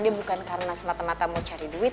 dia bukan karena semata mata mau cari duit